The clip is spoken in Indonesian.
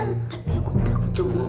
masa ini aku mau ke rumah